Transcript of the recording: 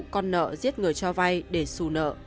con nợ giết người cho vai để xù nợ